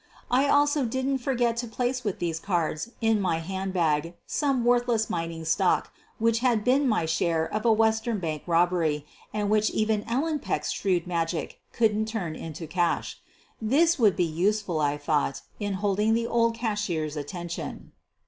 I I also didn't forget to place with these cards in my handbag some worthless mining stock which had been my share of a western bank robbery, and which even Ellen Peck's shrewd magic couldn't turn into cash. This would be useful, I thought, in holding the old cashier's attention.